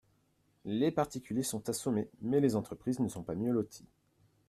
Les particuliers sont assommés, mais les entreprises ne sont pas mieux loties.